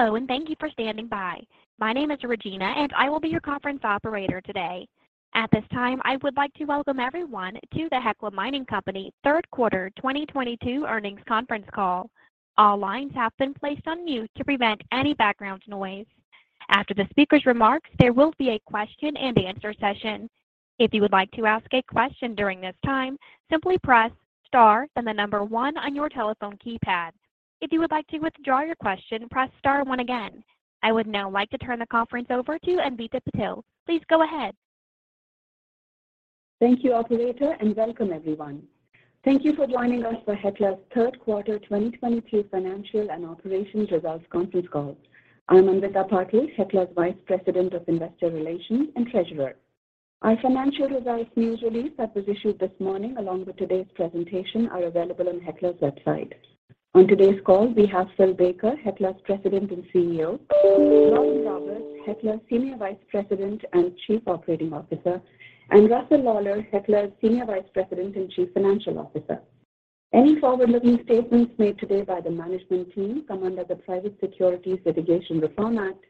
Hello, and thank you for standing by. My name is Regina, and I will be your conference operator today. At this time, I would like to welcome everyone to the Hecla Mining Company third quarter 2022 earnings conference call. All lines have been placed on mute to prevent any background noise. After the speaker's remarks, there will be a question-and-answer session. If you would like to ask a question during this time, simply press star, then the number one on your telephone keypad. If you would like to withdraw your question, press star one again. I would now like to turn the conference over to Anvita Patil. Please go ahead. Thank you, operator, and welcome everyone. Thank you for joining us for Hecla's third quarter 2022 financial and operations results conference call. I'm Anvita Patil, Hecla's Vice President of Investor Relations and Treasurer. Our financial results news release that was issued this morning, along with today's presentation, are available on Hecla's website. On today's call, we have Phil Baker, Hecla's President and CEO, Lauren Roberts, Hecla's Senior Vice President and Chief Operating Officer, and Russell Lawlar, Hecla's Senior Vice President and Chief Financial Officer. Any forward-looking statements made today by the management team come under the Private Securities Litigation Reform Act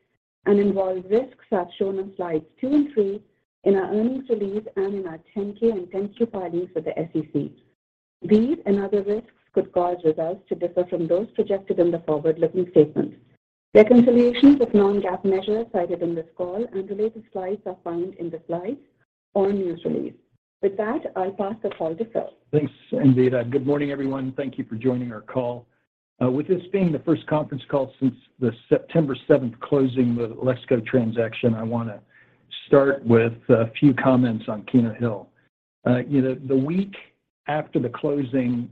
and involve risks as shown on slides two and three in our earnings release and in our 10-K and 10-Q filings with the SEC. These and other risks could cause results to differ from those projected in the forward-looking statements. Reconciliations of non-GAAP measures cited in this call and related slides are found in the slides or news release. With that, I'll pass the call to Phil. Thanks, Anvita. Good morning, everyone. Thank you for joining our call. With this being the first conference call since the September seventh closing of the Alexco transaction, I want to start with a few comments on Keno Hill. You know, the week after the closing,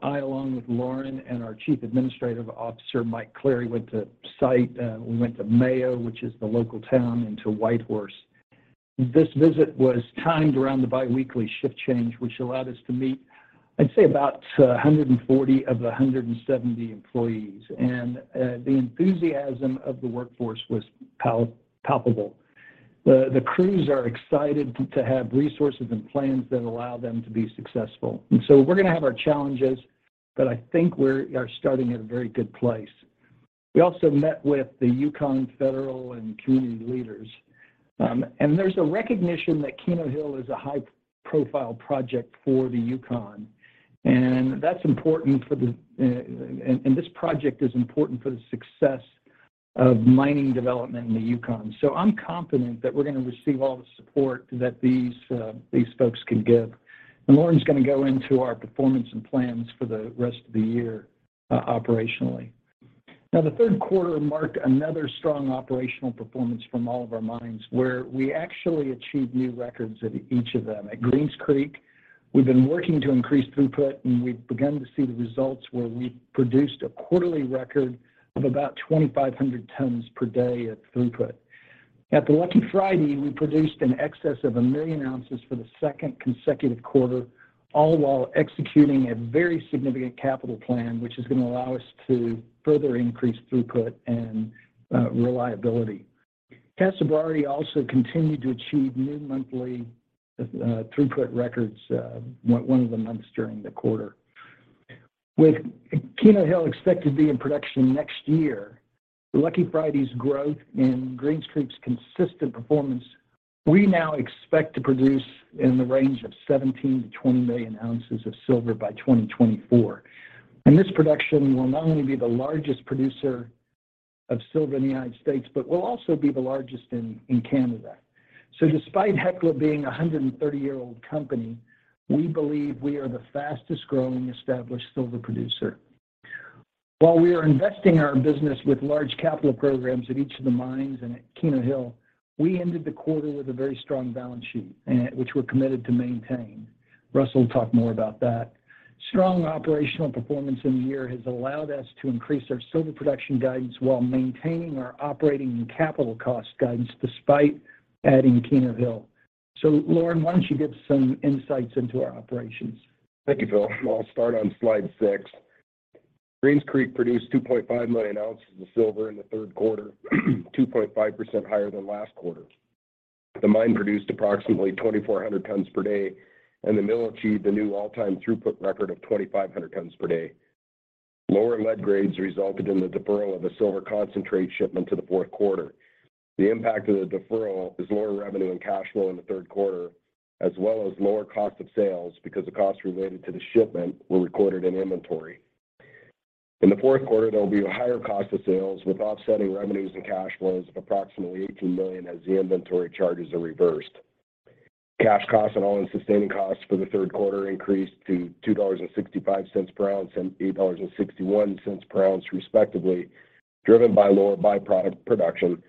I, along with Lauren and our Chief Administrative Officer, Mike Clary, went to site. We went to Mayo, which is the local town, and to Whitehorse. This visit was timed around the biweekly shift change, which allowed us to meet, I'd say about 140 of the 170 employees. The enthusiasm of the workforce was palpable. The crews are excited to have resources and plans that allow them to be successful. We're going to have our challenges, but I think we're starting at a very good place. We also met with the Yukon federal and community leaders. There's a recognition that Keno Hill is a high-profile project for the Yukon, and that's important for the. This project is important for the success of mining development in the Yukon. I'm confident that we're going to receive all the support that these folks can give. Lauren's going to go into our performance and plans for the rest of the year, operationally. Now, the third quarter marked another strong operational performance from all of our mines, where we actually achieved new records at each of them. At Greens Creek, we've been working to increase throughput, and we've begun to see the results where we produced a quarterly record of about 2,500 tons per day at throughput. At the Lucky Friday, we produced in excess of 1 million ounces for the second consecutive quarter, all while executing a very significant capital plan, which is going to allow us to further increase throughput and reliability. Casa Berardi also continued to achieve new monthly throughput records, one of the months during the quarter. With Keno Hill expected to be in production next year, Lucky Friday's growth and Greens Creek's consistent performance, we now expect to produce in the range of 17 million-20 million ounces of silver by 2024. This production will not only be the largest producer of silver in the United States but will also be the largest in Canada. Despite Hecla being a 130-year-old company, we believe we are the fastest growing established silver producer. While we are investing our business with large capital programs at each of the mines and at Keno Hill, we ended the quarter with a very strong balance sheet, which we're committed to maintain. Russell will talk more about that. Strong operational performance in the year has allowed us to increase our silver production guidance while maintaining our operating and capital cost guidance despite adding Keno Hill. Lauren, why don't you give some insights into our operations? Thank you, Phil. I'll start on slide six. Greens Creek produced 2.5 million ounces of silver in the third quarter, 2.5% higher than last quarter. The mine produced approximately 2,400 tons per day, and the mill achieved a new all-time throughput record of 2,500 tons per day. Lower lead grades resulted in the deferral of a silver concentrate shipment to the fourth quarter. The impact of the deferral is lower revenue and cash flow in the third quarter, as well as lower cost of sales because the costs related to the shipment were recorded in inventory. In the fourth quarter, there will be a higher cost of sales with offsetting revenues and cash flows of approximately $18 million as the inventory charges are reversed. Cash costs and all-in sustaining costs for the third quarter increased to $2.65 per ounce and $8.61 per ounce respectively, driven by lower byproduct production,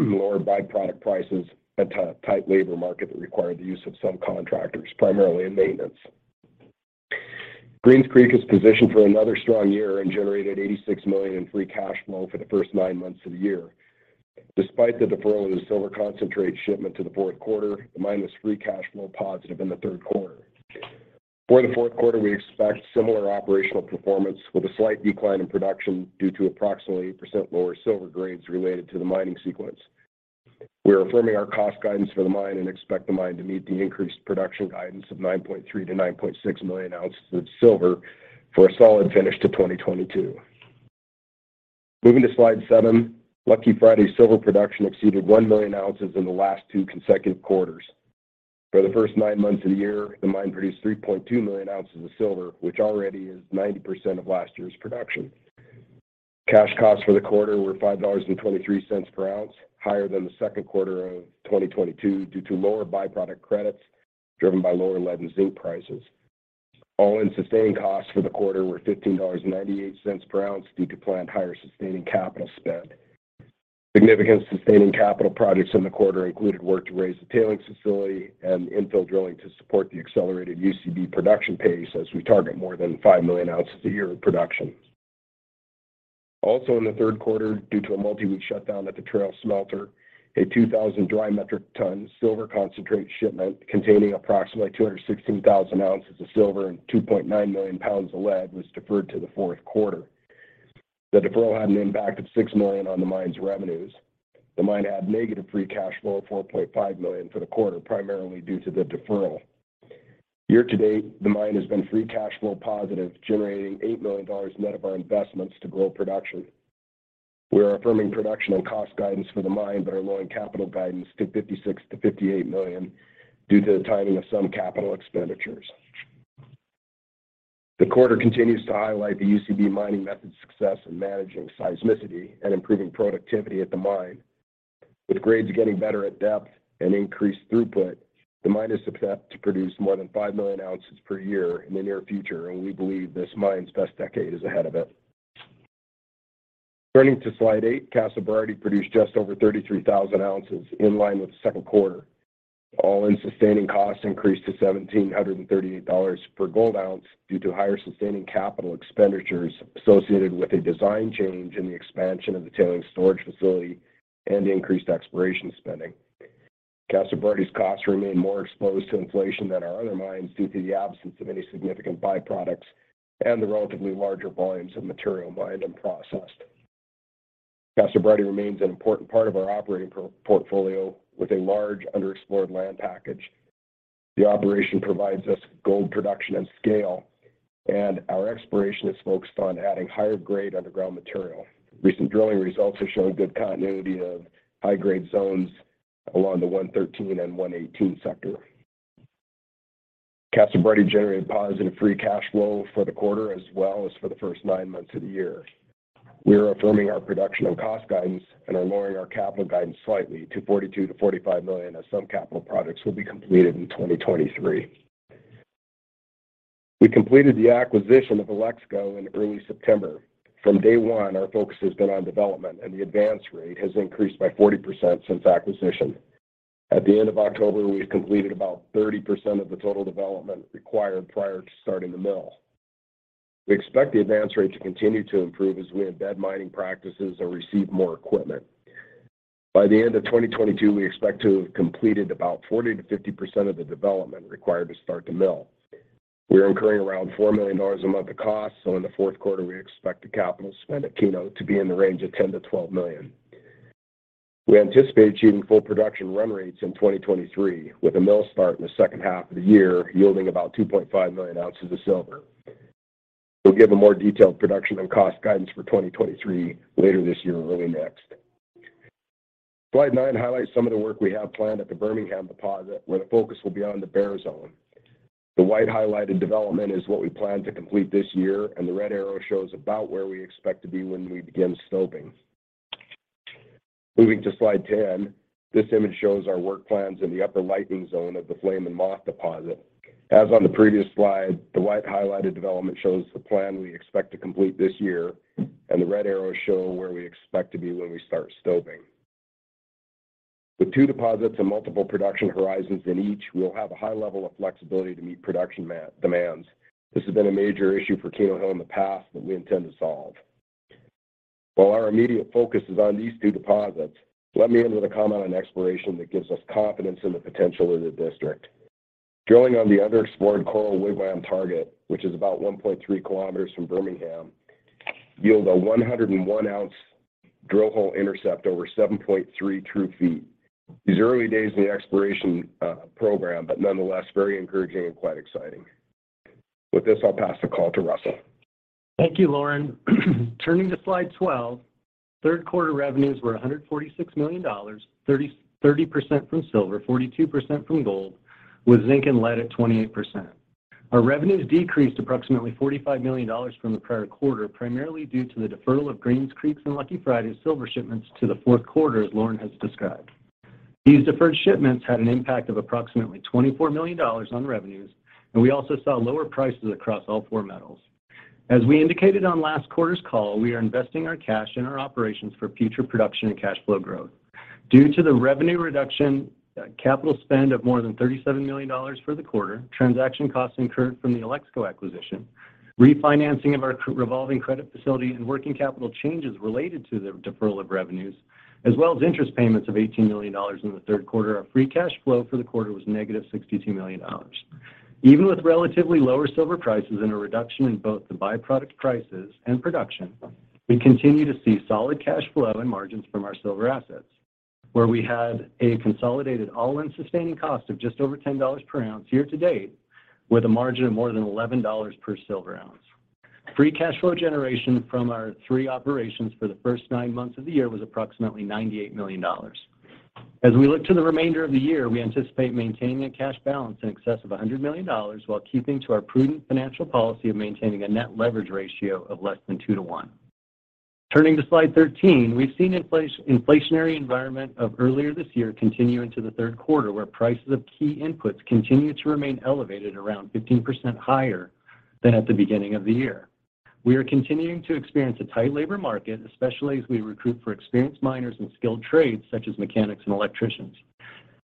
lower byproduct prices, and tight labor market that required the use of some contractors, primarily in maintenance. Greens Creek is positioned for another strong year and generated $86 million in free cash flow for the first nine months of the year. Despite the deferral of the silver concentrate shipment to the fourth quarter, the mine was free cash flow positive in the third quarter. For the fourth quarter, we expect similar operational performance with a slight decline in production due to approximately 8% lower silver grades related to the mining sequence. We are affirming our cost guidance for the mine and expect the mine to meet the increased production guidance of 9.3 million-9.6 million ounces of silver for a solid finish to 2022. Moving to slide seven, Lucky Friday silver production exceeded 1 million ounces in the last two consecutive quarters. For the first nine months of the year, the mine produced 3.2 million ounces of silver, which already is 90% of last year's production. Cash costs for the quarter were $5.23 per ounce, higher than the second quarter of 2022 due to lower byproduct credits driven by lower lead and zinc prices. All-in sustaining costs for the quarter were $15.98 per ounce due to planned higher sustaining capital spend. Significant sustaining capital projects in the quarter included work to raise the tailings facility and infill drilling to support the accelerated UCB production pace as we target more than 5 million ounces a year in production. Also in the third quarter, due to a multi-week shutdown at the Trail smelter, a 2,000 dry metric ton silver concentrate shipment containing approximately 216,000 ounces of silver and 2.9 million pounds of lead was deferred to the fourth quarter. The deferral had an impact of $6 million on the mine's revenues. The mine had negative free cash flow of $4.5 million for the quarter, primarily due to the deferral. Year to date, the mine has been free cash flow positive, generating $8 million net of our investments to grow production. We are affirming production and cost guidance for the mine, but are lowering capital guidance to $56 million-$58 million due to the timing of some capital expenditures. The quarter continues to highlight the UCB mining method's success in managing seismicity and improving productivity at the mine. With grades getting better at depth and increased throughput, the mine is set to produce more than 5 million ounces per year in the near future, and we believe this mine's best decade is ahead of it. Turning to slide eight, Casa Berardi produced just over 33,000 ounces, in line with the second quarter. All-in sustaining costs increased to $1,738 per gold ounce due to higher sustaining capital expenditures associated with a design change in the expansion of the tailings storage facility and increased exploration spending. Casa Berardi's costs remain more exposed to inflation than our other mines due to the absence of any significant byproducts and the relatively larger volumes of material mined and processed. Casa Berardi remains an important part of our operating portfolio with a large underexplored land package. The operation provides us gold production and scale, and our exploration is focused on adding higher grade underground material. Recent drilling results have shown good continuity of high-grade zones along the 113 and 118 sector. Casa Berardi generated positive free cash flow for the quarter as well as for the first nine months of the year. We are affirming our production on cost guidance and are lowering our capital guidance slightly to $42 million-$45 million, as some capital projects will be completed in 2023. We completed the acquisition of Alexco in early September. From day one, our focus has been on development, and the advance rate has increased by 40% since acquisition. At the end of October, we had completed about 30% of the total development required prior to starting the mill. We expect the advance rate to continue to improve as we embed mining practices or receive more equipment. By the end of 2022, we expect to have completed about 40%-50% of the development required to start the mill. We are incurring around $4 million a month of cost, so in the fourth quarter we expect the capital spend at Keno to be in the range of $10 million-$12 million. We anticipate achieving full production run rates in 2023, with a mill start in the second half of the year yielding about 2.5 million ounces of silver. We'll give a more detailed production and cost guidance for 2023 later this year or early next. Slide nine highlights some of the work we have planned at the Bermingham deposit, where the focus will be on the Bear Zone. The white highlighted development is what we plan to complete this year, and the red arrow shows about where we expect to be when we begin stoping. Moving to slide 10, this image shows our work plans in the Upper Lightning Zone of the Flame & Moth deposit. As on the previous slide, the white highlighted development shows the plan we expect to complete this year, and the red arrows show where we expect to be when we start stoping. With two deposits and multiple production horizons in each, we'll have a high level of flexibility to meet production demands. This has been a major issue for Keno Hill in the past that we intend to solve. While our immediate focus is on these two deposits, let me end with a comment on exploration that gives us confidence in the potential of the district. Drilling on the underexplored Coral-Wigwam target, which is about 1.3 km from Bermingham, yielded a 101-ounce drill hole intercept over 7.3 true ft. These are early days in the exploration program, but nonetheless very encouraging and quite exciting. With this, I'll pass the call to Russell. Thank you, Lauren. Turning to slide 12, third quarter revenues were $146 million, 30% from silver, 42% from gold, with zinc and lead at 28%. Our revenues decreased approximately $45 million from the prior quarter, primarily due to the deferral of Greens Creek's and Lucky Friday's silver shipments to the fourth quarter, as Lauren has described. These deferred shipments had an impact of approximately $24 million on revenues, and we also saw lower prices across all four metals. As we indicated on last quarter's call, we are investing our cash in our operations for future production and cash flow growth. Due to the revenue reduction, capital spend of more than $37 million for the quarter, transaction costs incurred from the Alexco acquisition, refinancing of our revolving credit facility, and working capital changes related to the deferral of revenues, as well as interest payments of $18 million in the third quarter, our free cash flow for the quarter was negative $62 million. Even with relatively lower silver prices and a reduction in both the byproduct prices and production, we continue to see solid cash flow and margins from our silver assets, where we had a consolidated all-in sustaining cost of just over $10 per ounce year to date with a margin of more than $11 per silver ounce. Free cash flow generation from our three operations for the first nine months of the year was approximately $98 million. As we look to the remainder of the year, we anticipate maintaining a cash balance in excess of $100 million while keeping to our prudent financial policy of maintaining a net leverage ratio of less than 2/1. Turning to slide 13, we've seen inflationary environment of earlier this year continue into the third quarter, where prices of key inputs continue to remain elevated around 15% higher than at the beginning of the year. We are continuing to experience a tight labor market, especially as we recruit for experienced miners and skilled trades such as mechanics and electricians.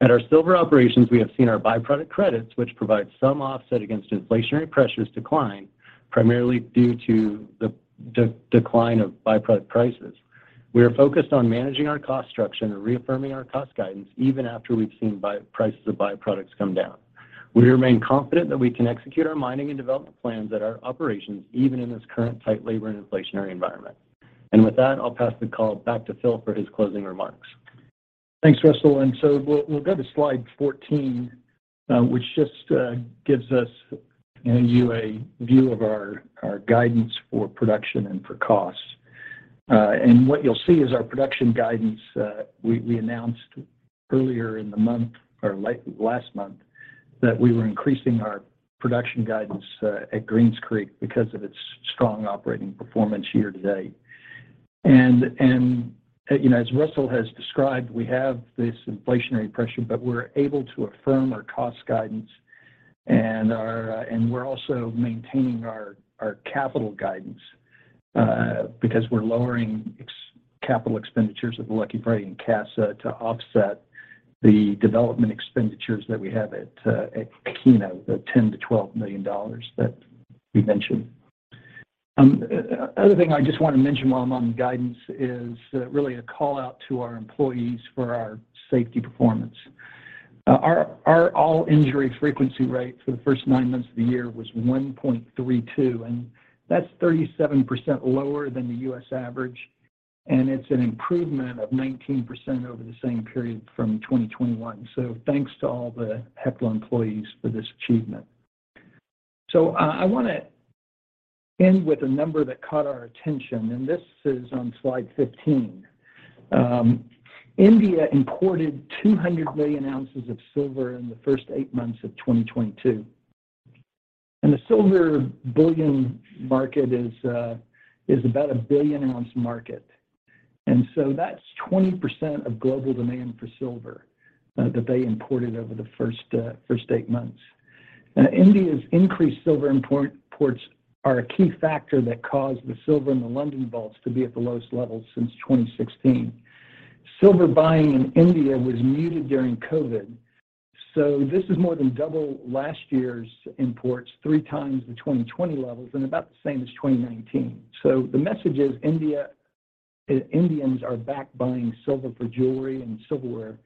At our silver operations, we have seen our byproduct credits, which provide some offset against inflationary pressures decline, primarily due to the decline of byproduct prices. We are focused on managing our cost structure and reaffirming our cost guidance even after we've seen prices of byproducts come down. We remain confident that we can execute our mining and development plans at our operations, even in this current tight labor and inflationary environment. With that, I'll pass the call back to Phil for his closing remarks. Thanks, Russell. We'll go to slide 14, which just gives you a view of our guidance for production and for costs. What you'll see is our production guidance. We announced earlier in the month or late last month that we were increasing our production guidance at Greens Creek because of its strong operating performance year to date. You know, as Russell has described, we have this inflationary pressure, but we're able to affirm our cost guidance and we're also maintaining our capital guidance because we're lowering capex at Lucky Friday and Casa to offset the development expenditures that we have at Keno, the $10 million-$12 million that we mentioned. Other thing I just want to mention while I'm on the guidance is really a call-out to our employees for our safety performance. Our all injury frequency rate for the first nine months of the year was 1.32, and that's 37% lower than the U.S. average, and it's an improvement of 19% over the same period from 2021. Thanks to all the Hecla employees for this achievement. I wanna end with a number that caught our attention, and this is on slide 15. India imported 200 million ounces of silver in the first eight months of 2022. The silver bullion market is about a billion ounce market. That's 20% of global demand for silver that they imported over the first eight months. Now, India's increased silver imports are a key factor that caused the silver in the London vaults to be at the lowest level since 2016. Silver buying in India was muted during COVID. This is more than double last year's imports, three times the 2020 levels, and about the same as 2019. The message is India, Indians are back buying silver for jewelry and silverware,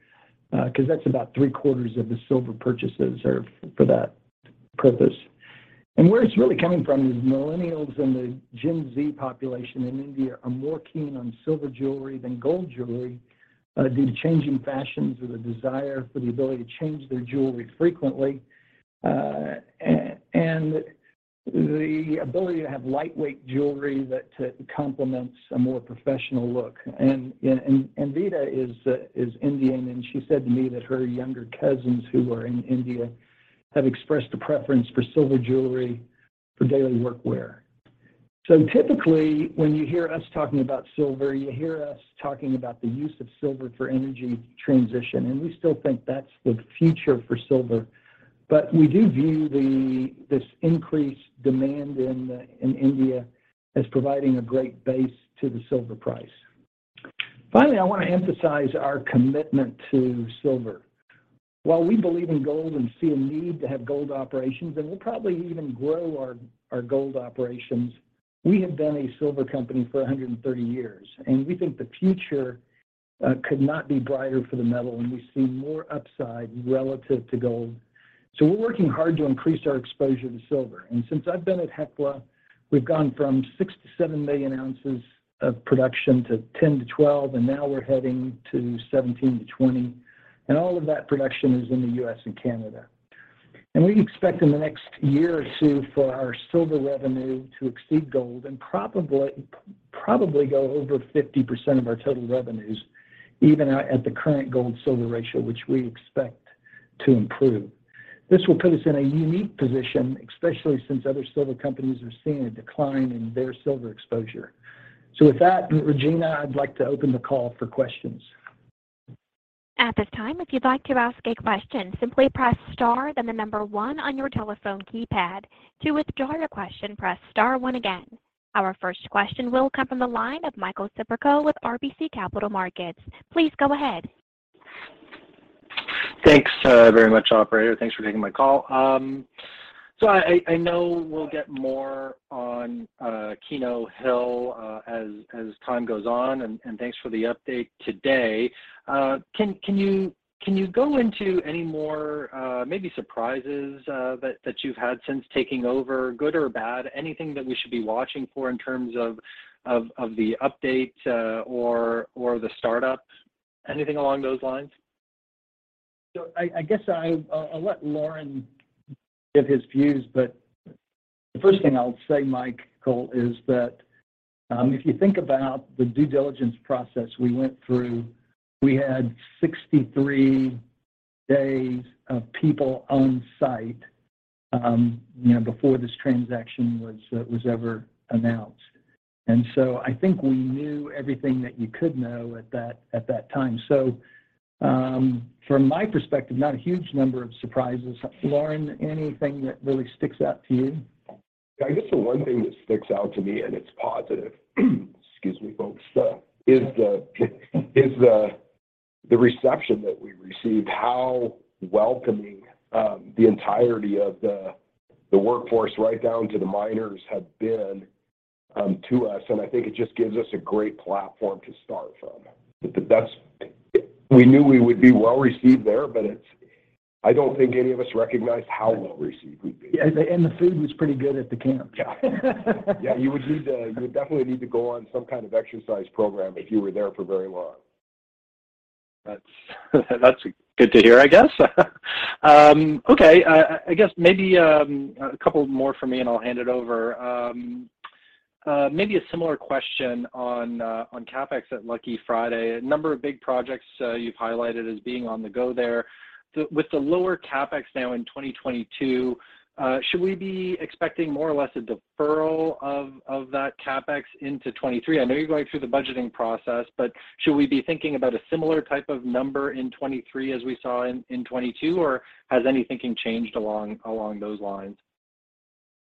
because that's about 3/4 of the silver purchases are for that purpose. Where it's really coming from is millennials and the Gen Z population in India are more keen on silver jewelry than gold jewelry, due to changing fashions or the desire for the ability to change their jewelry frequently, and the ability to have lightweight jewelry that complements a more professional look. Anvita is Indian, and she said to me that her younger cousins who are in India have expressed a preference for silver jewelry for daily work wear. Typically, when you hear us talking about silver, you hear us talking about the use of silver for energy transition, and we still think that's the future for silver. We do view this increased demand in India as providing a great base to the silver price. Finally, I want to emphasize our commitment to silver. While we believe in gold and see a need to have gold operations, and we'll probably even grow our gold operations, we have been a silver company for 130 years, and we think the future could not be brighter for the metal, and we see more upside relative to gold. We're working hard to increase our exposure to silver. Since I've been at Hecla, we've gone from 6 million-7 million ounces of production to 10 million-12million, and now we're heading to 17 million-20 million, and all of that production is in the U.S. and Canada. We expect in the next year or two for our silver revenue to exceed gold and probably go over 50% of our total revenues even at the current gold-silver ratio, which we expect to improve. This will put us in a unique position, especially since other silver companies are seeing a decline in their silver exposure. With that, Regina, I'd like to open the call for questions. At this time, if you'd like to ask a question, simply press star then the number one on your telephone keypad. To withdraw your question, press star one again. Our first question will come from the line of Michael Siperco with RBC Capital Markets. Please go ahead. Thanks, very much, operator. Thanks for taking my call. I know we'll get more on Keno Hill as time goes on, and thanks for the update today. Can you go into any more maybe surprises that you've had since taking over, good or bad? Anything that we should be watching for in terms of the update or the startups? Anything along those lines? I guess I'll let Lauren give his views, but the first thing I'll say, Michael, is that if you think about the due diligence process we went through, we had 63 days of people on site, you know, before this transaction was ever announced. I think we knew everything that you could know at that time. From my perspective, not a huge number of surprises. Lauren, anything that really sticks out to you? I guess the one thing that sticks out to me, and it's positive, excuse me, folks, is the reception that we received, how welcoming the entirety of the workforce right down to the miners have been to us. I think it just gives us a great platform to start from. We knew we would be well received there, but I don't think any of us recognized how well received we'd be. Yeah. The food was pretty good at the camp. Yeah. Yeah, you would definitely need to go on some kind of exercise program if you were there for very long. That's good to hear, I guess. Okay. I guess maybe a couple more from me and I'll hand it over. Maybe a similar question on CapEx at Lucky Friday. A number of big projects you've highlighted as being on the go there. With the lower CapEx now in 2022, should we be expecting more or less a deferral of that CapEx into 2023? I know you're going through the budgeting process, but should we be thinking about a similar type of number in 2023 as we saw in 2022, or has any thinking changed along those lines?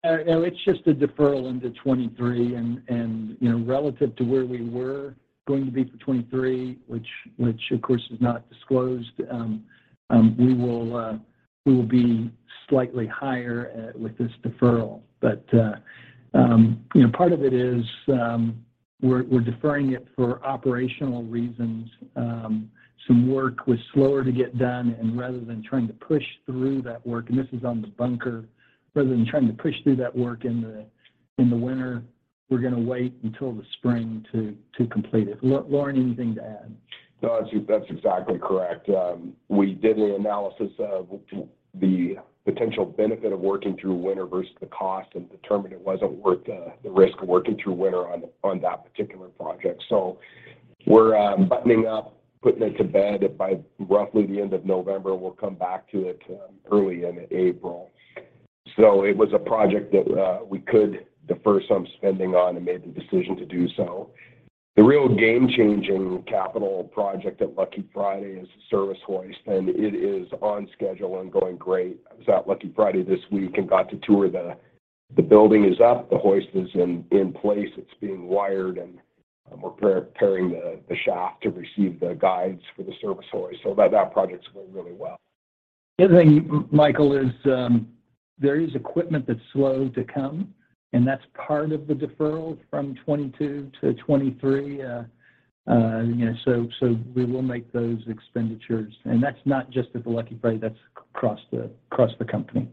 No, it's just a deferral into 2023. You know, relative to where we were going to be for 2023, which of course is not disclosed, we will be slightly higher with this deferral. You know, part of it is, we're deferring it for operational reasons. Some work was slower to get done, and rather than trying to push through that work in the winter, and this is on the bunker, we're gonna wait until the spring to complete it. Lauren, anything to add? No, that's exactly correct. We did an analysis of the potential benefit of working through winter versus the cost and determined it wasn't worth the risk of working through winter on that particular project. We're buttoning up, putting it to bed by roughly the end of November. We'll come back to it early in April. It was a project that we could defer some spending on and made the decision to do so. The real game-changing capital project at Lucky Friday is the service hoist, and it is on schedule and going great. I was at Lucky Friday this week and got to tour. The building is up, the hoist is in place. It's being wired, and we're preparing the shaft to receive the guides for the service hoist. That project's going really well. The other thing, Michael, is there is equipment that's slow to come, and that's part of the deferral from 22 to 23. You know, so we will make those expenditures, and that's not just at the Lucky Friday, that's across the company.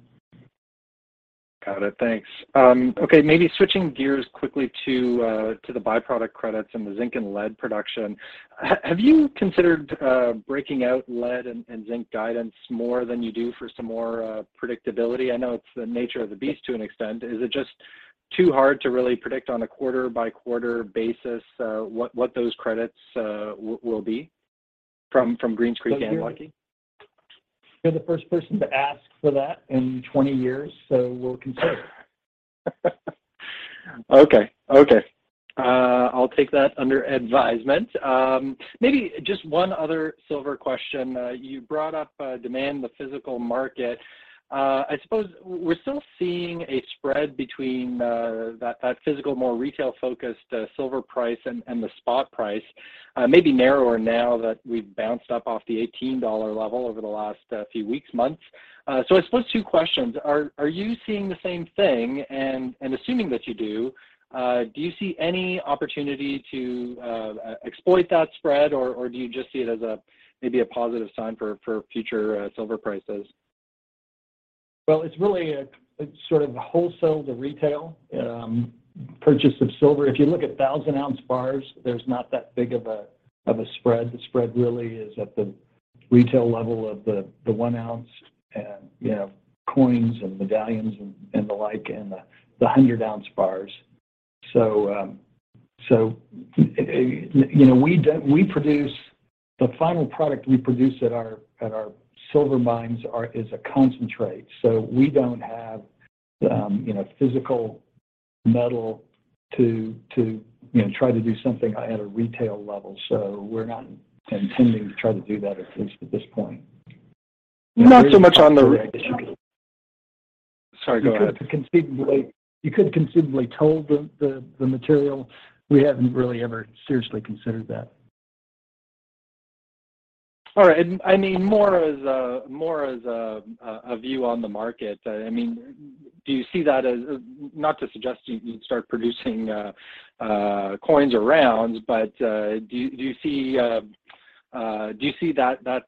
Got it. Thanks. Okay, maybe switching gears quickly to the byproduct credits and the zinc and lead production. Have you considered breaking out lead and zinc guidance more than you do for some more predictability? I know it's the nature of the beast to an extent. Is it just too hard to really predict on a quarter-by-quarter basis what those credits will be from Greens Creek and Lucky Friday? You're the first person to ask for that in 20 years, so we'll consider it. Okay. I'll take that under advisement. Maybe just one other silver question. You brought up demand in the physical market. I suppose we're still seeing a spread between that physical, more retail-focused silver price and the spot price. Maybe narrower now that we've bounced up off the $18 level over the last few weeks, months. I suppose two questions. Are you seeing the same thing? Assuming that you do you see any opportunity to exploit that spread, or do you just see it as a maybe a positive sign for future silver prices? Well, it's really a sort of wholesale to retail purchase of silver. If you look at 1,000-ounce bars, there's not that big of a spread. The spread really is at the retail level of the 1-ounce and, you know, coins and medallions and the like, and the 100-ounce bars. You know, we produce. The final product we produce at our silver mines is a concentrate. We don't have, you know, physical metal to you know, try to do something at a retail level. We're not intending to try to do that, at least at this point. Sorry, go ahead. You could conceivably toll the material. We haven't really ever seriously considered that. All right. I mean more as a view on the market. Not to suggest you start producing coins or rounds, but do you see that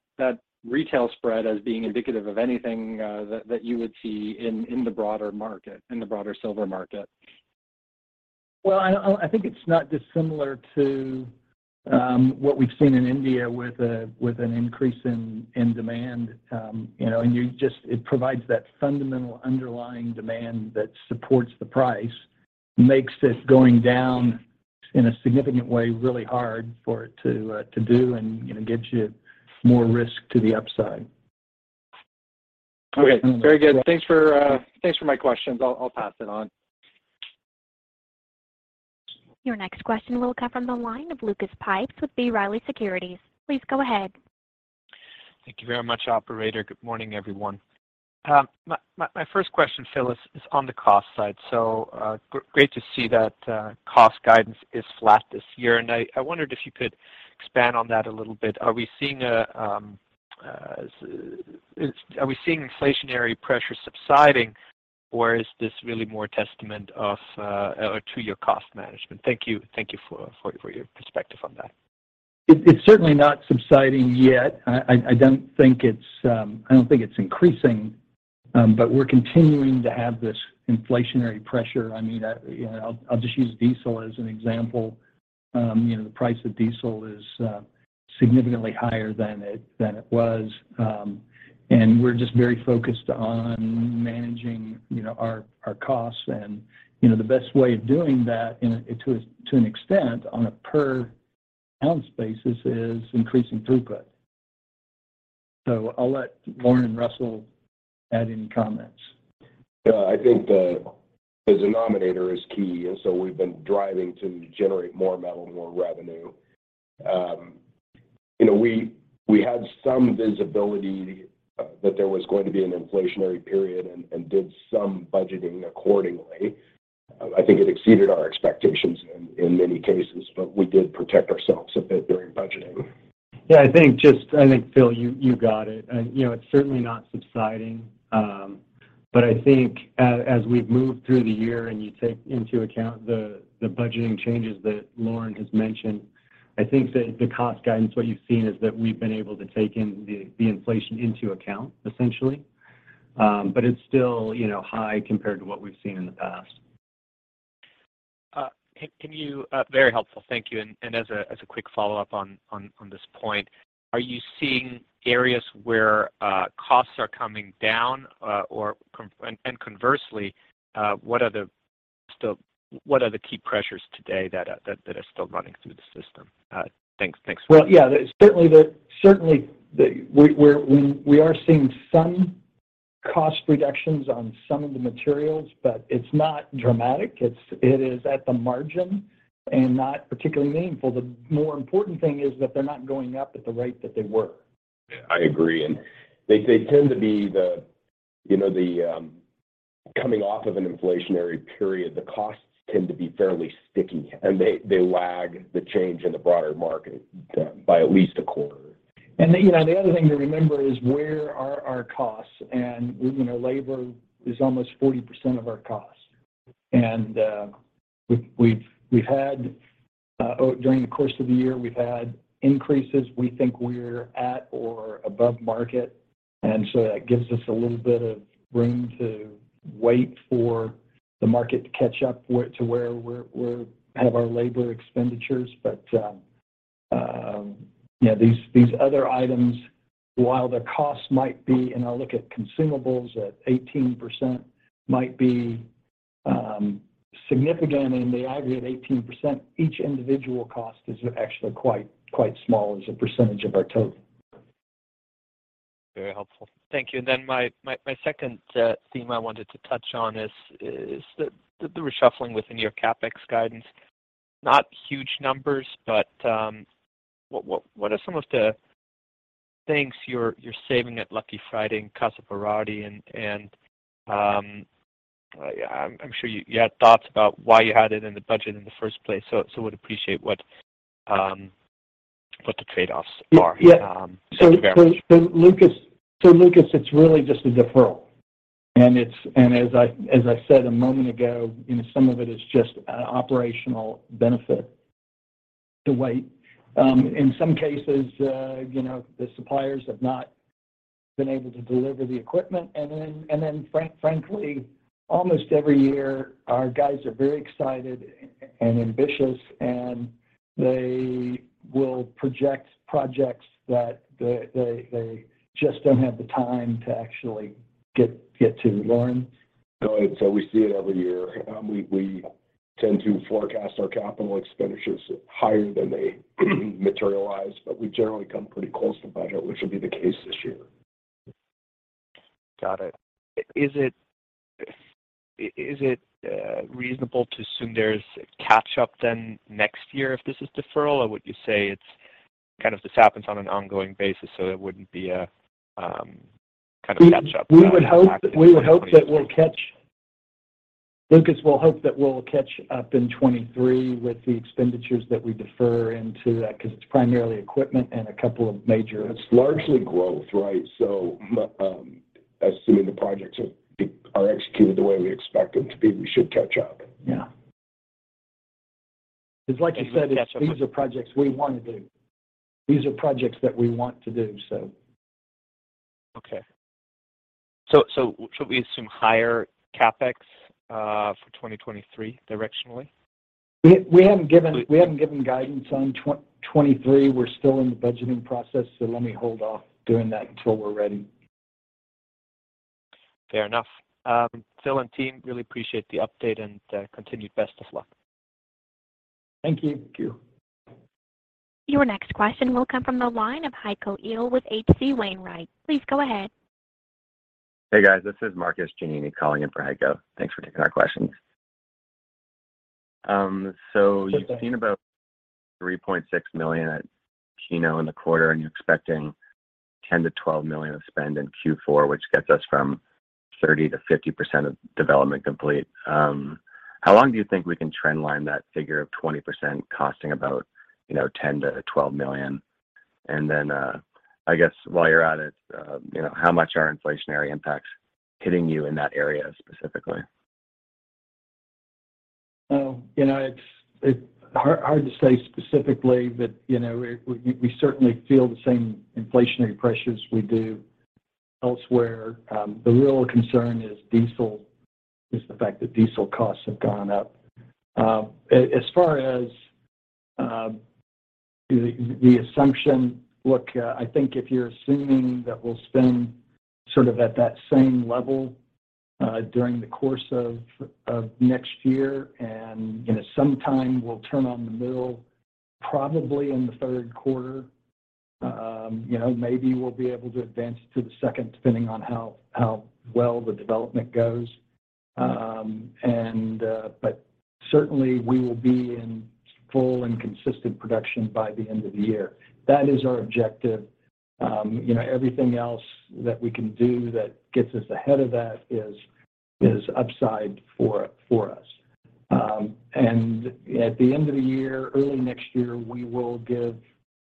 retail spread as being indicative of anything that you would see in the broader market, in the broader silver market? Well, I think it's not dissimilar to what we've seen in India with an increase in demand. You know, it provides that fundamental underlying demand that supports the price, makes it going down in a significant way really hard for it to do and, you know, gets you more risk to the upside. Okay. Very good. Thanks for my questions. I'll pass it on. Your next question will come from the line of Lucas Pipes with B. Riley Securities. Please go ahead. Thank you very much, operator. Good morning, everyone. My first question, Phil, is on the cost side. Great to see that cost guidance is flat this year, and I wondered if you could expand on that a little bit. Are we seeing inflationary pressure subsiding, or is this really more testament to your cost management? Thank you for your perspective on that. It's certainly not subsiding yet. I don't think it's increasing, but we're continuing to have this inflationary pressure. I mean, you know, I'll just use diesel as an example. You know, the price of diesel is significantly higher than it was, and we're just very focused on managing, you know, our costs and, you know, the best way of doing that to an extent on a per ounce basis is increasing throughput. I'll let Lauren and Russell add any comments. Yeah. I think the denominator is key, and so we've been driving to generate more metal, more revenue. You know, we had some visibility that there was going to be an inflationary period and did some budgeting accordingly. I think it exceeded our expectations in many cases, but we did protect ourselves a bit during budgeting. Yeah, I think Phil, you got it. You know, it's certainly not subsiding. But I think as we've moved through the year and you take into account the budgeting changes that Lauren has mentioned, I think that the cost guidance, what you've seen is that we've been able to take in the inflation into account essentially. But it's still, you know, high compared to what we've seen in the past. That was very helpful. Thank you. As a quick follow-up on this point, are you seeing areas where costs are coming down, or conversely, what are the key pressures today that are still running through the system? Thanks. Well, yeah. We are seeing some cost reductions on some of the materials, but it's not dramatic. It is at the margin and not particularly meaningful. The more important thing is that they're not going up at the rate that they were. I agree. They tend to be the, you know, the, coming off of an inflationary period, the costs tend to be fairly sticky, and they lag the change in the broader market, by at least a quarter. You know, the other thing to remember is where are our costs and, you know, labor is almost 40% of our costs. We've had increases during the course of the year. We think we're at or above market, and so that gives us a little bit of room to wait for the market to catch up to where we have our labor expenditures. These other items, while the costs might be, and I'll look at consumables at 18%, might be significant in the aggregate 18%, each individual cost is actually quite small as a percentage of our total. Very helpful. Thank you. My second theme I wanted to touch on is the reshuffling within your CapEx guidance. Not huge numbers, but what are some of the things you're saving at Lucky Friday and Casa Berardi, and I'm sure you had thoughts about why you had it in the budget in the first place, so would appreciate what the trade-offs are. Yeah. Lucas, it's really just a deferral. It's as I said a moment ago, you know, some of it is just operational benefit to wait. In some cases, you know, the suppliers have not been able to deliver the equipment. Frankly, almost every year, our guys are very excited and ambitious, and they will project projects that they just don't have the time to actually get to. Lauren? No. We see it every year. We tend to forecast our capital expenditures higher than they materialize, but we generally come pretty close to budget, which will be the case this year. Got it. Is it reasonable to assume there's a catch-up then next year if this is deferral, or would you say it's kind of this happens on an ongoing basis, so it wouldn't be a kind of catch-up? We would hope that we'll catch up in 2023 with the expenditures that we defer into that, 'cause it's primarily equipment and a couple of major- It's largely growth, right? Assuming the projects are executed the way we expect them to be, we should catch up. Yeah. It's like you said, these are projects we wanna do. These are projects that we want to do, so. Should we assume higher CapEx for 2023 directionally? We haven't given guidance on 2023. We're still in the budgeting process, so let me hold off doing that until we're ready. Fair enough. Phil and team, really appreciate the update and continued best of luck. Thank you. Thank you. Your next question will come from the line of Heiko Ihle with H.C. Wainwright. Please go ahead. Hey guys, this is Marcus Giannini calling in for Heiko. Thanks for taking our questions. You've seen about $3.6 million at Keno in the quarter, and you're expecting $10 million-$12 million of spend in Q4, which gets us from 30%-50% of development complete. How long do you think we can trend line that figure of 20% costing about, you know, $10 million-$12 million? And then, I guess while you're at it, you know, how much are inflationary impacts hitting you in that area specifically? Well, you know, it's hard to say specifically, but, you know, we certainly feel the same inflationary pressures we do elsewhere. The real concern is the fact that diesel costs have gone up. As far as the assumption, look, I think if you're assuming that we'll spend sort of at that same level during the course of next year, you know, sometime we'll turn on the mill probably in the third quarter. You know, maybe we'll be able to advance to the second depending on how well the development goes. Certainly we will be in full and consistent production by the end of the year. That is our objective. You know, everything else that we can do that gets us ahead of that is upside for us. At the end of the year, early next year, we will give,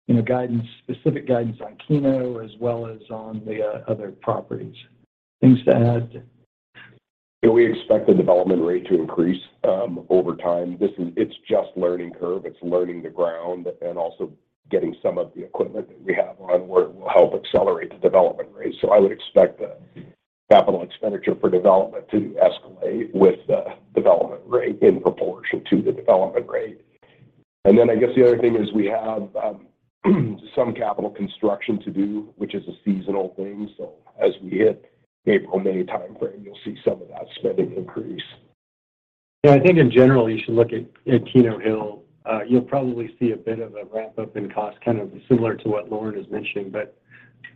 you know, guidance, specific guidance on Keno as well as on the other properties. Things to add? Yeah, we expect the development rate to increase over time. It's just learning curve. It's learning the ground and also getting some of the equipment that we have on where it will help accelerate the development rate. I would expect the capital expenditure for development to escalate with the development rate in proportion to the development rate. I guess the other thing is we have some capital construction to do, which is a seasonal thing. As we hit April/May timeframe, you'll see some of that spending increase. Yeah, I think in general you should look at Keno Hill. You'll probably see a bit of a ramp up in costs, kind of similar to what Lauren is mentioning, but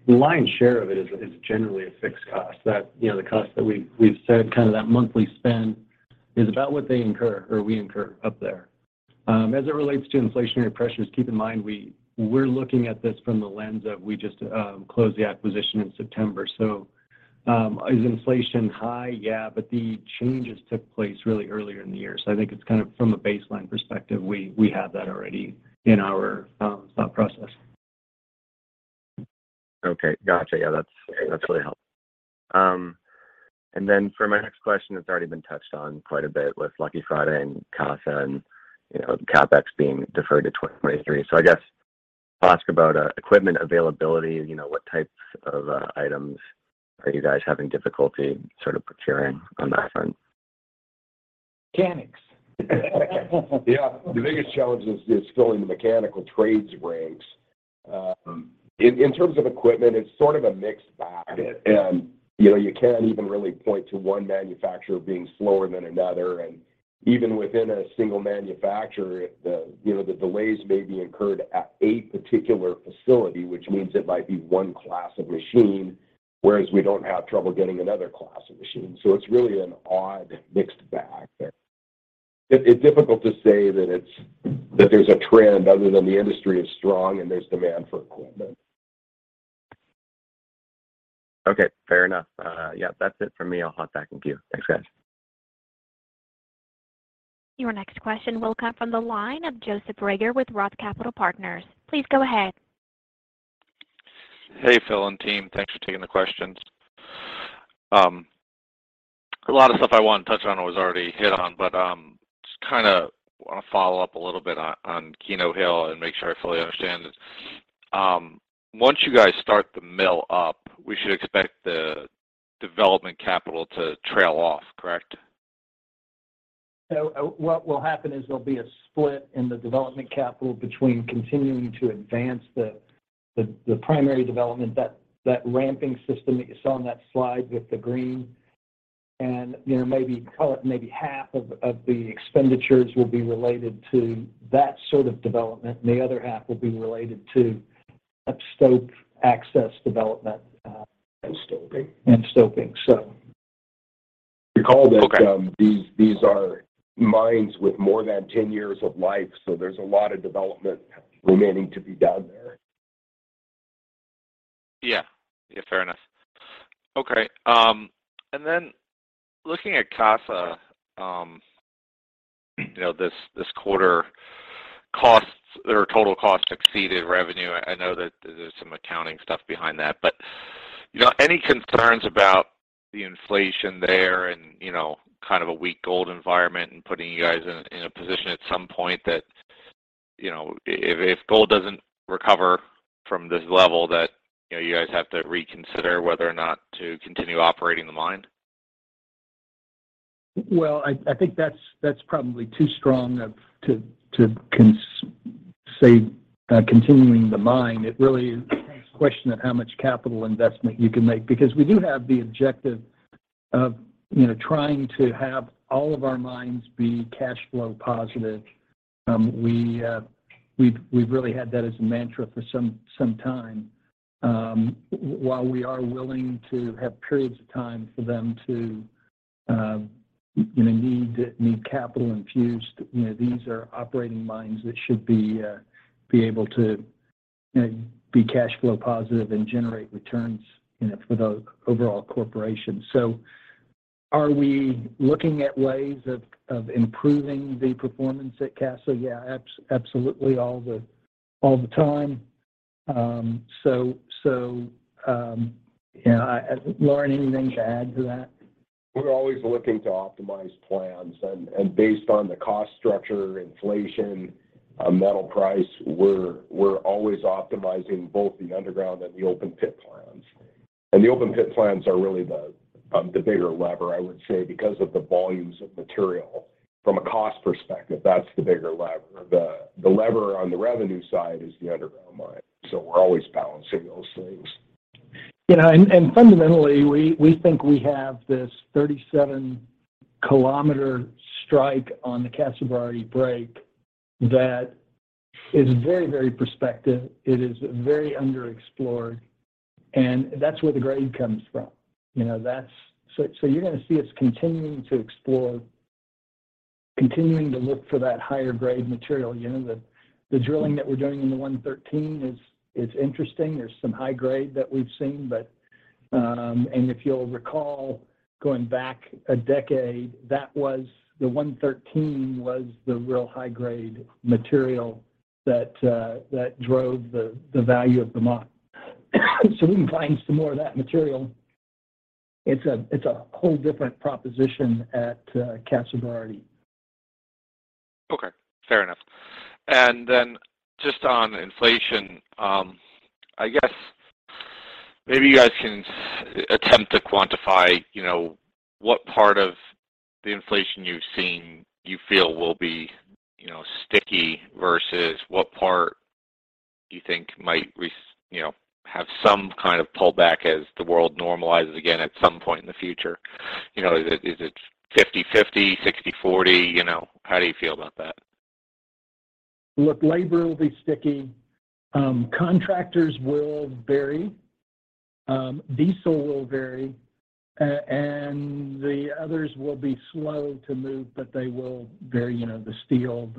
the lion's share of it is generally a fixed cost. You know, the cost that we've said, kind of that monthly spend is about what they incur or we incur up there. As it relates to inflationary pressures, keep in mind, we're looking at this from the lens of, we just closed the acquisition in September. Is inflation high? Yeah. But the changes took place really earlier in the year. I think it's kind of from a baseline perspective, we had that already in our thought process. Okay. Gotcha. Yeah, that's really helpful. For my next question, it's already been touched on quite a bit with Lucky Friday and Casa and, you know, the CapEx being deferred to 2023. I guess ask about equipment availability, you know, what types of items are you guys having difficulty sort of procuring on that front? Mechanics. Yeah. The biggest challenge is filling the mechanical trades ranks. In terms of equipment, it's sort of a mixed bag. You know, you can't even really point to one manufacturer being slower than another. Even within a single manufacturer, you know, the delays may be incurred at a particular facility, which means it might be one class of machine, whereas we don't have trouble getting another class of machine. It's really an odd mixed bag there. It's difficult to say that there's a trend other than the industry is strong and there's demand for equipment. Okay. Fair enough. Yeah, that's it for me. I'll hop back in queue. Thanks, guys. Your next question will come from the line of Joseph Reagor with Roth Capital Partners. Please go ahead. Hey, Phil and team. Thanks for taking the questions. A lot of stuff I wanted to touch on was already hit on, but just kinda wanna follow up a little bit on Keno Hill and make sure I fully understand it. Once you guys start the mill up, we should expect the development capital to trail off, correct? What will happen is there'll be a split in the development capital between continuing to advance the primary development, that ramping system that you saw on that slide with the green. You know, maybe call it maybe half of the expenditures will be related to that sort of development, and the other half will be related to up-stope access development. Stoping. Stoping, so. Okay. Recall that, these are mines with more than 10 years of life, so there's a lot of development remaining to be done there. Yeah. Yeah, fair enough. Okay. Looking at Casa, you know, this quarter costs or total costs exceeded revenue. I know that there's some accounting stuff behind that. You know, any concerns about the inflation there and, you know, kind of a weak gold environment and putting you guys in a position at some point that, you know, if gold doesn't recover from this level that, you know, you guys have to reconsider whether or not to continue operating the mine? Well, I think that's probably too strong to say continuing the mine. It really is a question of how much capital investment you can make. Because we do have the objective of you know trying to have all of our mines be cash flow positive. We've really had that as a mantra for some time. While we are willing to have periods of time for them to you know need capital infused, you know these are operating mines that should be able to you know be cash flow positive and generate returns you know for the overall corporation. Are we looking at ways of improving the performance at Casa? Yeah. Absolutely, all the time. So yeah. Lauren, anything to add to that? We're always looking to optimize plans and based on the cost structure, inflation, metal price. We're always optimizing both the underground and the open pit plans. The open pit plans are really the bigger lever, I would say, because of the volumes of material. From a cost perspective, that's the bigger lever. The lever on the revenue side is the underground mine, so we're always balancing those things. You know, fundamentally, we think we have this 37-km strike on the Casa Berardi break that is very, very prospective. It is very underexplored, and that's where the grade comes from. You know, you're gonna see us continuing to explore, continuing to look for that higher grade material. You know, the drilling that we're doing in the 113 is interesting. There's some high grade that we've seen, but. If you'll recall, going back a decade, that was, the 113 was the real high-grade material that that drove the value of the mine. If we can find some more of that material, it's a whole different proposition at Casa Berardi. Okay. Fair enough. Just on inflation, I guess maybe you guys can attempt to quantify, you know, what part of the inflation you've seen you feel will be, you know, sticky versus what part you think might have some kind of pullback as the world normalizes again at some point in the future. You know, is it, is it 50/50, 60/40? You know, how do you feel about that? Look, labor will be sticky. Contractors will vary. Diesel will vary. The others will be slow to move, but they will vary. You know, the steel,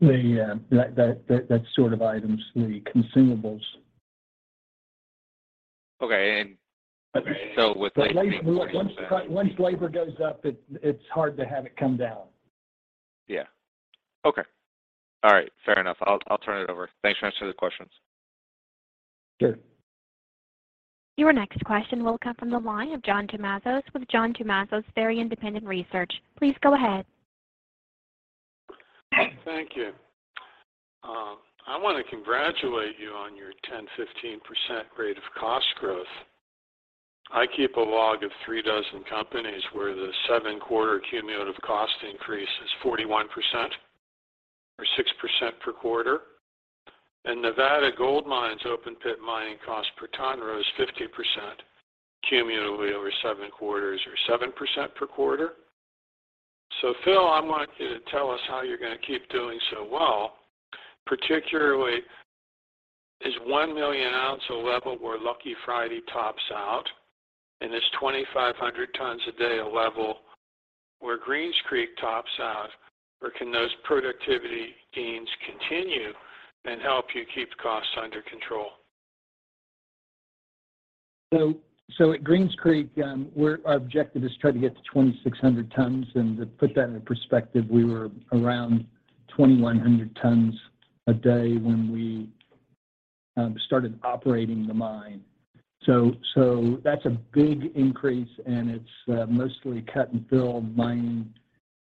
that sort of items, the consumables. Okay. With labor- Labor, once labor goes up, it's hard to have it come down. Yeah. Okay. All right. Fair enough. I'll turn it over. Thanks for answering the questions. Sure. Your next question will come from the line of John Tumazos with John Tumazos Very Independent Research. Please go ahead. Thank you. I wanna congratulate you on your 10%-15% rate of cost growth. I keep a log of three dozen companies where the seven-quarter cumulative cost increase is 41% or 6% per quarter. Nevada Gold Mines's open pit mining cost per ton rose 50% cumulatively over seven quarters or 7% per quarter. Phil, I want you to tell us how you're gonna keep doing so well. Particularly, is 1 million ounce a level where Lucky Friday tops out, and is 2,500 tons a day a level where Greens Creek tops out? Can those productivity gains continue and help you keep costs under control? At Greens Creek, our objective is to try to get to 2,600 tons. To put that into perspective, we were around 2,100 tons a day when we started operating the mine. That's a big increase, and it's mostly cut and fill mining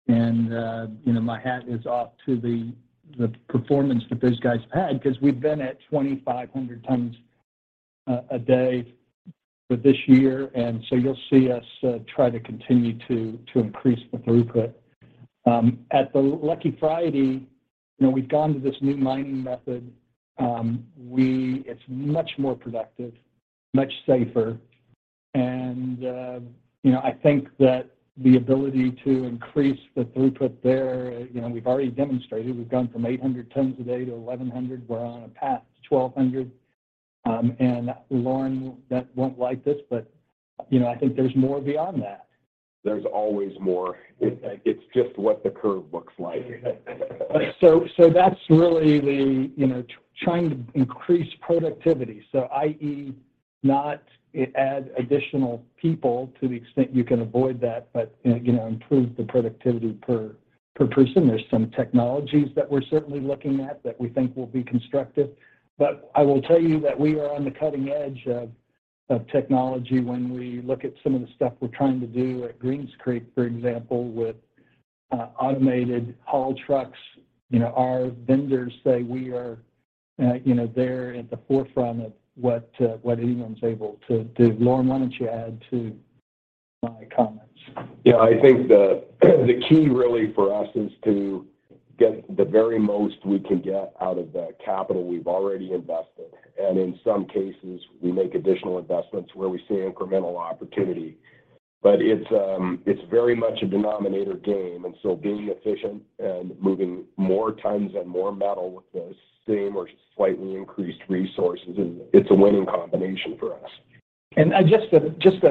and you know, my hat is off to the performance that those guys had, because we've been at 2,500 tons a day for this year. You'll see us try to continue to increase the throughput. At the Lucky Friday, you know, we've gone to this new mining method. It's much more productive, much safer and you know, I think that the ability to increase the throughput there, you know, we've already demonstrated. We've gone from 800 tons a day to 1,100. We're on a path to 1,200. Lauren won't like this but, you know, I think there's more beyond that. There's always more. It's just what the curve looks like. That's really the, you know, trying to increase productivity. i.e., not add additional people to the extent you can avoid that, but, you know, improve the productivity per person. There are some technologies that we're certainly looking at that we think will be constructive. But I will tell you that we are on the cutting edge of technology when we look at some of the stuff we're trying to do at Greens Creek, for example, with automated haul trucks. You know, our vendors say we are, you know, there at the forefront of what anyone's able to do. Lauren, why don't you add to my comments? Yeah. I think the key really for us is to get the very most we can get out of the capital we've already invested. In some cases, we make additional investments where we see incremental opportunity. It's very much a denominator game, and so being efficient and moving more times and more metal with the same or slightly increased resources, it's a winning combination for us. Just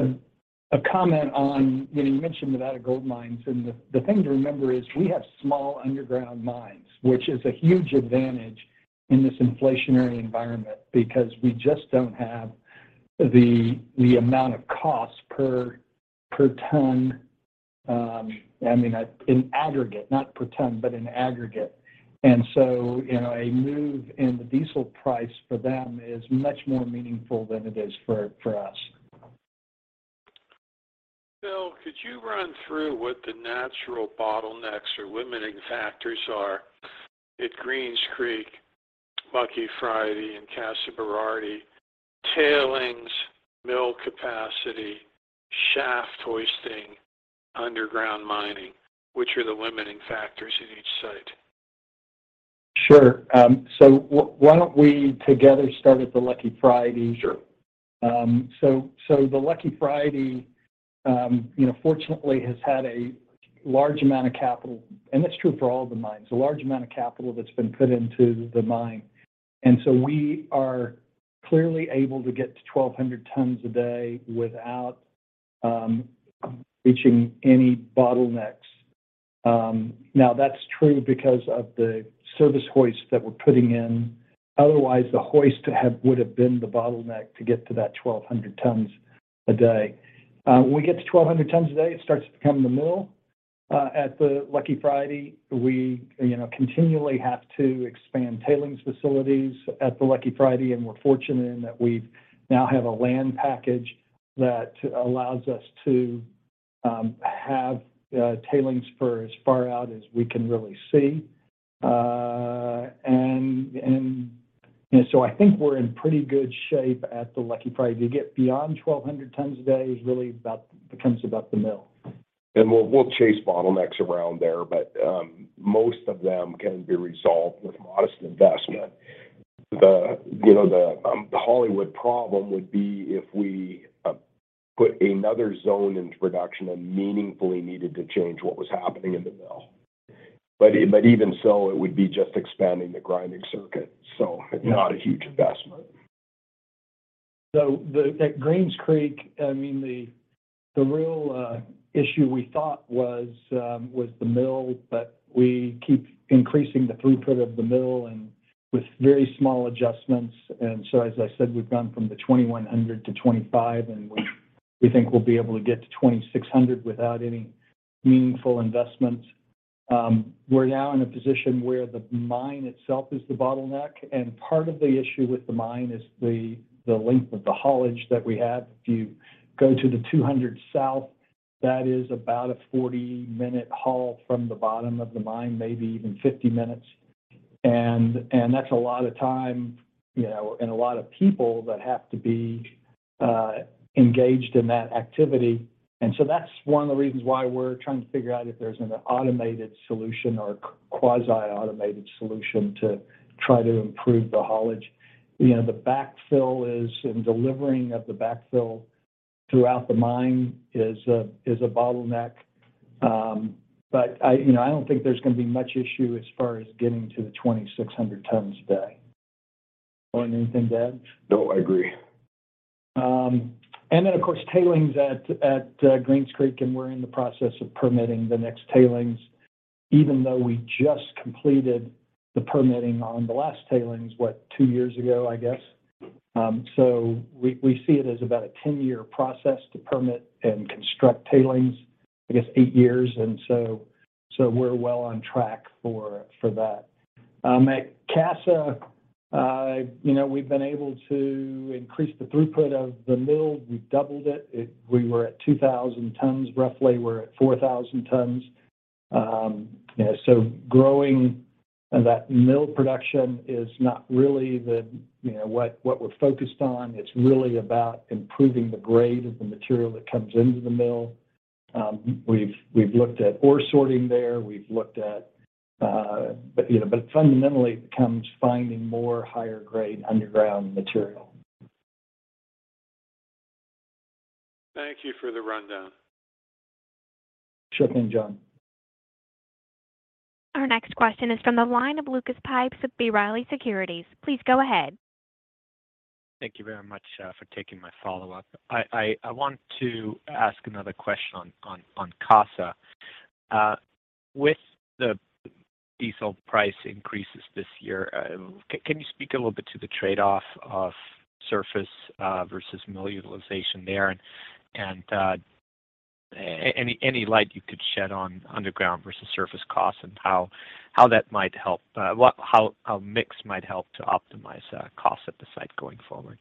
a comment on, you know, you mentioned Nevada Gold Mines, and the thing to remember is we have small underground mines, which is a huge advantage in this inflationary environment because we just don't have the amount of cost per ton, I mean, in aggregate, not per ton, but in aggregate. So, you know, a move in the diesel price for them is much more meaningful than it is for us. Phil, could you run through what the natural bottlenecks or limiting factors are at Greens Creek, Lucky Friday, and Casa Berardi, tailings, mill capacity, shaft hoisting, underground mining? Which are the limiting factors in each site? Sure. Why don't we together start with the Lucky Friday? Sure. The Lucky Friday, you know, fortunately has had a large amount of capital, and that's true for all the mines, a large amount of capital that's been put into the mine. We are clearly able to get to 1,200 tons a day without reaching any bottlenecks. Now that's true because of the service hoist that we're putting in. Otherwise, the hoist we have would have been the bottleneck to get to that 1,200 tons a day. When we get to 1,200 tons a day, it starts to become the mill. At the Lucky Friday, you know, continually have to expand tailings facilities at the Lucky Friday, and we're fortunate in that we now have a land package that allows us to have tailings for as far out as we can really see. You know, I think we're in pretty good shape at the Lucky Friday. To get beyond 1,200 tons a day becomes about the mill. We'll chase bottlenecks around there, but most of them can be resolved with modest investment. You know, the Hollywood problem would be if we put another zone into production and meaningfully needed to change what was happening in the mill. But even so, it would be just expanding the grinding circuit. Not a huge investment. At Greens Creek, I mean, the real issue we thought was the mill, but we keep increasing the throughput of the mill and with very small adjustments. As I said, we've gone from 2,100 to 2,500, and we think we'll be able to get to 2,600 without any meaningful investment. We're now in a position where the mine itself is the bottleneck. Part of the issue with the mine is the length of the haulage that we have. If you go to the 200 South, that is about a 40-minute haul from the bottom of the mine, maybe even 50 minutes. That's a lot of time, you know, and a lot of people that have to be engaged in that activity. That's one of the reasons why we're trying to figure out if there's an automated solution or a quasi-automated solution to try to improve the haulage. You know, the backfill is, and delivering of the backfill throughout the mine is a bottleneck. You know, I don't think there's gonna be much issue as far as getting to the 2,600 tons a day. Lauren, anything to add? No, I agree. Of course, tailings at Greens Creek, and we're in the process of permitting the next tailings, even though we just completed the permitting on the last tailings, what, two years ago, I guess. We see it as about a 10-year process to permit and construct tailings, I guess eight years. We're well on track for that. At Casa, you know, we've been able to increase the throughput of the mill. We doubled it. We were at 2,000 tons, roughly we're at 4,000 tons. Growing that mill production is not really the, you know, what we're focused on. It's really about improving the grade of the material that comes into the mill. We've looked at ore sorting there. We've looked at, but you know, fundamentally, it becomes finding more higher grade underground material. Thank you for the rundown. Sure thing, John. Our next question is from the line of Lucas Pipes of B. Riley Securities. Please go ahead. Thank you very much for taking my follow-up. I want to ask another question on cash costs. With the diesel price increases this year, can you speak a little bit to the trade-off of surface versus mill utilization there and any light you could shed on underground versus surface costs and how that might help how mix might help to optimize costs at the site going forward?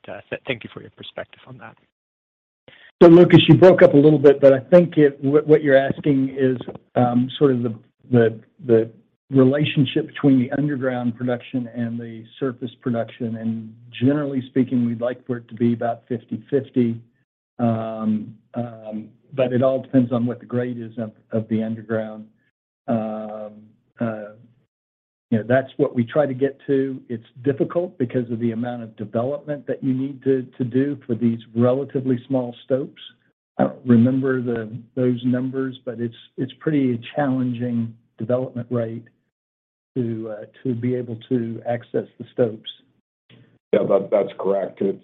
Thank you for your perspective on that. Lucas, you broke up a little bit, but I think what you're asking is sort of the relationship between the underground production and the surface production. Generally speaking, we'd like for it to be about 50/50. But it all depends on what the grade is of the underground. You know, that's what we try to get to. It's difficult because of the amount of development that you need to do for these relatively small stopes. I don't remember those numbers, but it's pretty challenging development rate to be able to access the stopes. Yeah. That's correct. It's.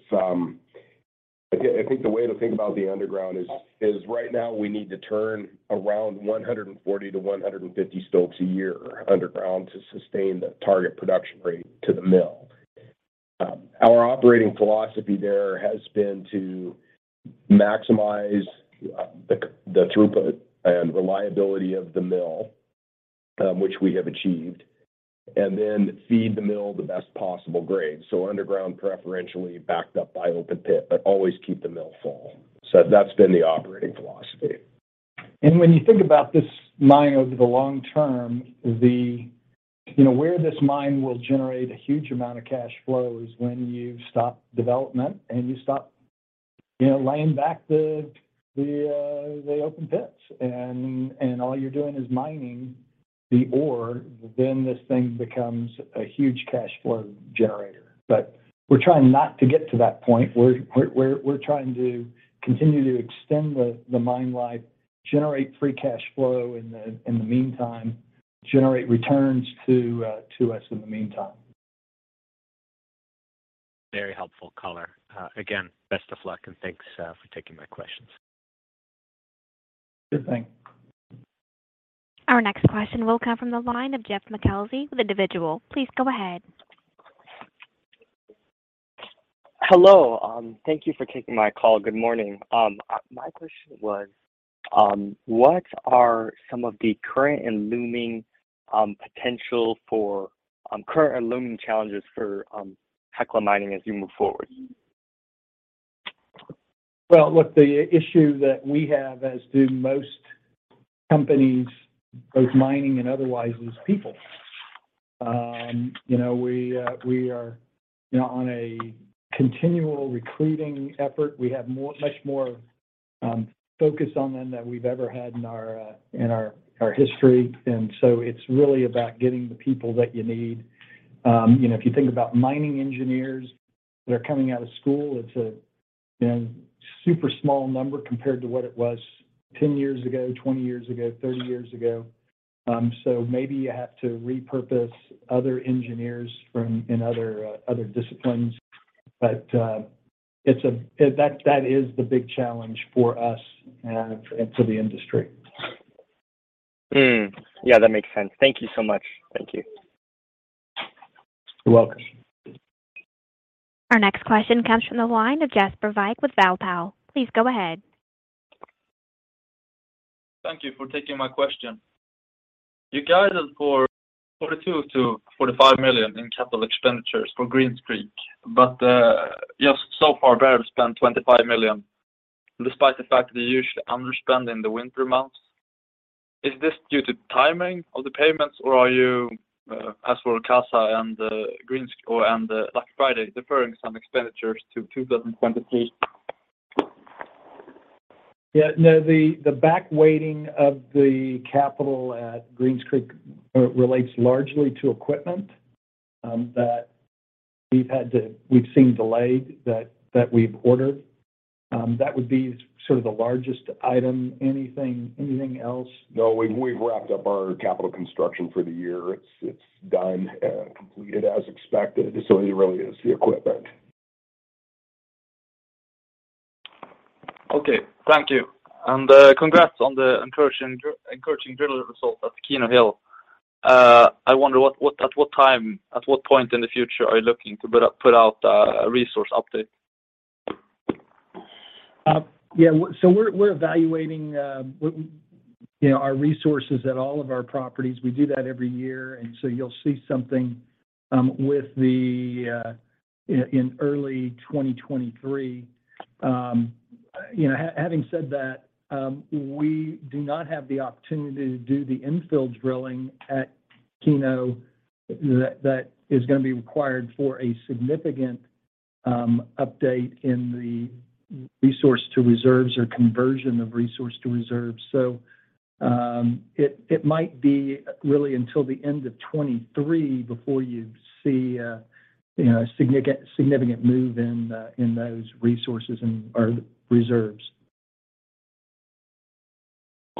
Again, I think the way to think about the underground is right now we need to turn around 140-150 stopes a year underground to sustain the target production rate to the mill. Our operating philosophy there has been to maximize the throughput and reliability of the mill, which we have achieved, and then feed the mill the best possible grade, so underground preferentially backed up by open pit, but always keep the mill full. That's been the operating philosophy. When you think about this mine over the long term, you know, where this mine will generate a huge amount of cash flow is when you stop development and you stop, you know, laying back the open pits and all you're doing is mining the ore, then this thing becomes a huge cash flow generator. We're trying not to get to that point. We're trying to continue to extend the mine life, generate free cash flow in the meantime, generate returns to us in the meantime. Very helpful color. Again, best of luck, and thanks for taking my questions. Good. Thank you. Our next question will come from the line of Jeff McKelvey with Individual. Please go ahead. Hello. Thank you for taking my call. Good morning. My question was, what are some of the current and looming challenges for Hecla Mining as you move forward? Well, look, the issue that we have, as do most companies, both mining and otherwise, is people. You know, we are, you know, on a continual recruiting effort. We have more, much more, focus on them than we've ever had in our history. It's really about getting the people that you need. You know, if you think about mining engineers that are coming out of school, it's you know, super small number compared to what it was 10 years ago, 20 years ago, 30 years ago. So maybe you have to repurpose other engineers from other disciplines. It's that is the big challenge for us and for the industry. Yeah, that makes sense. Thank you so much. Thank you. You're welcome. Our next question comes from the line of Jasper Wyk with [Walpow]. Please go ahead. Thank you for taking my question. You guided for $42 million-$45 million in capital expenditures for Greens Creek. You have so far barely spent $25 million, despite the fact that you usually underspend in the winter months. Is this due to timing of the payments, or are you, as for Keno and Lucky Friday, deferring some expenditures to 2023? Yeah, no, the back-weighting of the capital at Greens Creek relates largely to equipment that we've seen delayed that we've ordered. That would be sort of the largest item. Anything else? No. We've wrapped up our capital construction for the year. It's done and completed as expected. It really is the equipment. Okay. Thank you. Congrats on the encouraging drilling results at Keno Hill. I wonder at what time, at what point in the future are you looking to put out a resource update? We're evaluating, you know, our resources at all of our properties. We do that every year, and you'll see something in early 2023. You know, having said that, we do not have the opportunity to do the infill drilling at Keno that is gonna be required for a significant update in the resource to reserves or conversion of resource to reserves. It might be really until the end of 2023 before you see, you know, a significant move in those resources or reserves.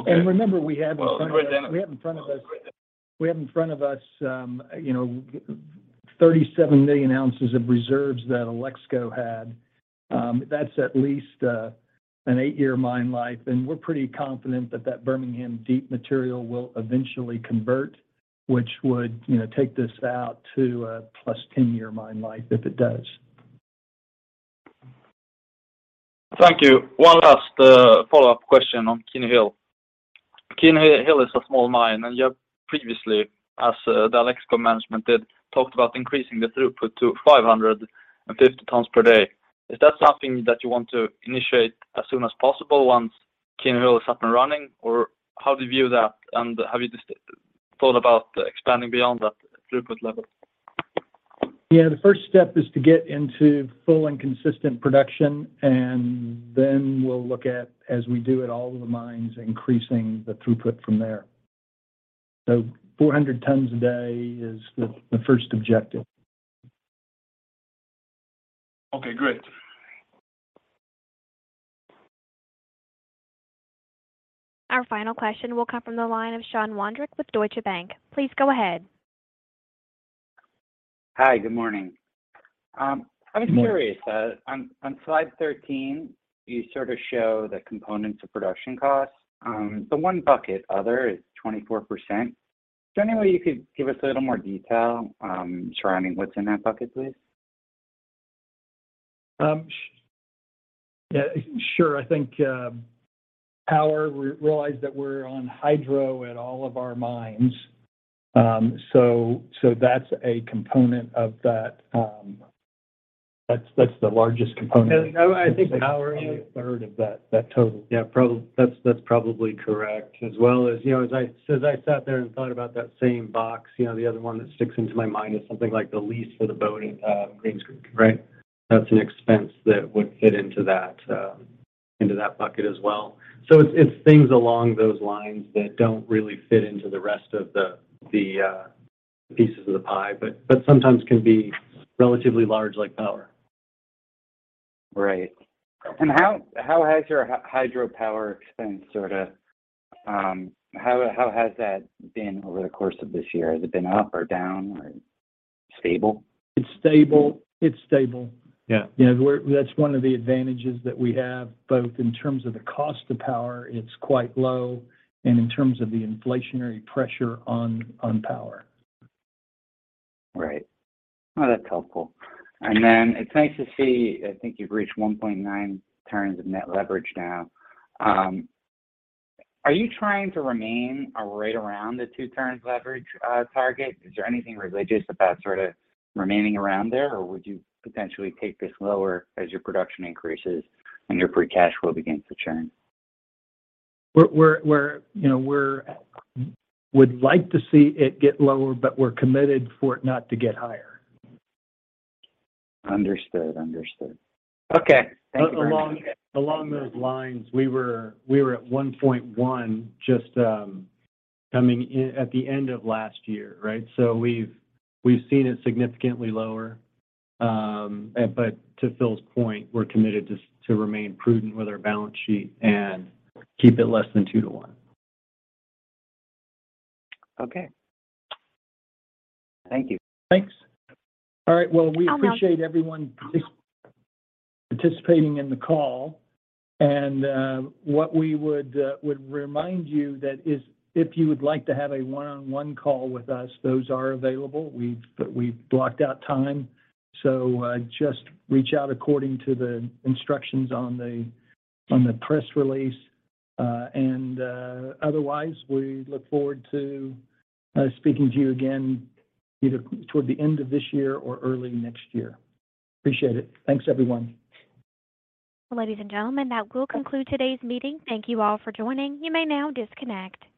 Remember, we have in front of us, you know, 37 million ounces of reserves that Alexco had. That's at least an eight-year mine life, and we're pretty confident that Bermingham deep material will eventually convert, which would, you know, take this out to a plus 10-year mine life if it does. Thank you. One last follow-up question on Keno Hill. Keno Hill is a small mine, and you have previously, as the Alexco management did, talked about increasing the throughput to 550 tons per day. Is that something that you want to initiate as soon as possible once Keno Hill is up and running? Or how do you view that? Have you just thought about expanding beyond that throughput level? Yeah. The first step is to get into full and consistent production, and then we'll look at, as we do at all of the mines, increasing the throughput from there. 400 tons a day is the first objective. Okay, great. Our final question will come from the line of Sean Wondrack with Deutsche Bank. Please go ahead. Hi, good morning. Good morning. I was curious, on slide 13, you sort of show the components of production costs. The one bucket, other, is 24%. Is there any way you could give us a little more detail surrounding what's in that bucket, please? Yeah, sure. I think power. We realize that we're on hydro at all of our mines. That's a component of that. That's the largest component. I think power is. A third of that total. Yeah, that's probably correct. As well as, you know, as I sat there and thought about that same box, you know, the other one that sticks into my mind is something like the lease for the building, Greens Creek, right? That's an expense that would fit into that into that bucket as well. It's things along those lines that don't really fit into the rest of the pieces of the pie, but sometimes can be relatively large, like power. Right. How has your hydro power expense sorta been over the course of this year? Has it been up or down or stable? It's stable. Yeah. You know, that's one of the advantages that we have, both in terms of the cost of power, it's quite low, and in terms of the inflationary pressure on power. Right. Oh, that's helpful. It's nice to see, I think you've reached 1.9x net leverage now. Are you trying to remain or right around the 2x leverage target? Is there anything religious about sort of remaining around there, or would you potentially take this lower as your production increases and your free cash flow begins to churn? You know, we would like to see it get lower, but we're committed for it not to get higher. Understood. Okay. Thank you very much. Along those lines, we were at 1.1 just coming in at the end of last year, right? We've seen it significantly lower. But to Phil's point, we're committed to remain prudent with our balance sheet and keep it less than two to one. Okay. Thank you. Thanks. All right. Well, we appreciate everyone participating in the call. What we would remind you that if you would like to have a one-on-one call with us, those are available. We've blocked out time. Just reach out according to the instructions on the press release. Otherwise, we look forward to speaking to you again either toward the end of this year or early next year. Appreciate it. Thanks, everyone. Ladies and gentlemen, that will conclude today's meeting. Thank you all for joining. You may now disconnect.